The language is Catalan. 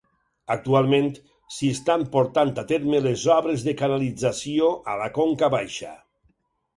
Actualment, s'hi estan portant a terme les obres de canalització a la conca baixa.